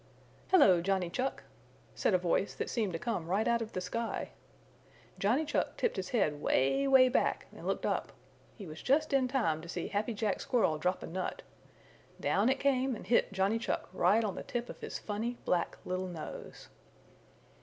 "Hello, Johnny Chuck!" said a voice that seemed to come right out of the sky. Johnny Chuck tipped his head way, way back and looked up. He was just in time to see Happy Jack Squirrel drop a nut. Down it came and hit Johnny Chuck right on the tip of his funny, black, little nose.